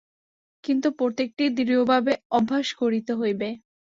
কিন্তু প্রত্যেকটিই দৃঢ়ভাবে অভ্যাস করিতে হইবে।